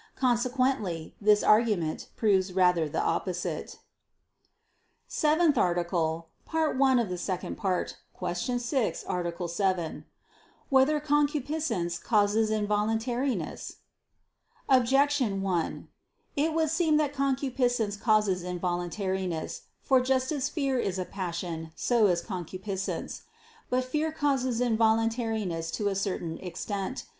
Consequently, this argument proves rather the opposite. ________________________ SEVENTH ARTICLE [I II, Q. 6, Art. 7] Whether Concupiscence Causes Involuntariness? Objection 1: It would seem that concupiscence causes involuntariness. For just as fear is a passion, so is concupiscence. But fear causes involuntariness to a certain extent.